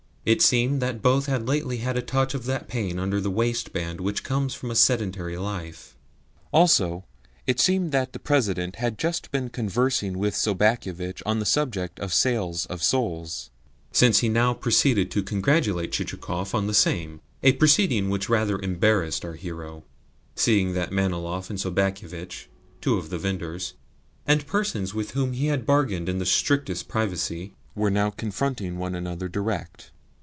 It seemed that both had lately had a touch of that pain under the waistband which comes of a sedentary life. Also, it seemed that the President had just been conversing with Sobakevitch on the subject of sales of souls, since he now proceeded to congratulate Chichikov on the same a proceeding which rather embarrassed our hero, seeing that Manilov and Sobakevitch, two of the vendors, and persons with whom he had bargained in the strictest privacy, were now confronting one another direct.